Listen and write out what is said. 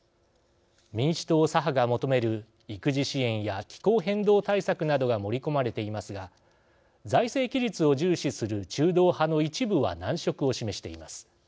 民主党左派が求める育児支援や気候変動対策などが盛り込まれていますが財政規律を重視する中道派の一部は難色を示しています。